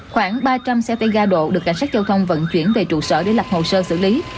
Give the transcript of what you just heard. khoảng ba trăm linh xe tay ga độ được cảnh sát giao thông vận chuyển về trụ sở để lập hồ sơ xử lý